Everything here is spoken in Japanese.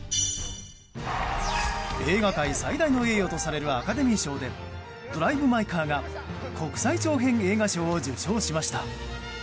映画界最大の栄誉とされるアカデミー賞で「ドライブ・マイ・カー」が国際長編映画賞を受賞しました。